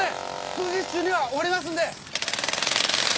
数日中には終わりますんで！